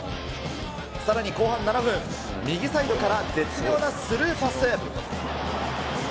さらに後半７分、右サイドから絶妙なスルーパス。